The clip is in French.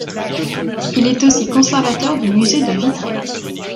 Il est aussi conservateur du musée de Vitré.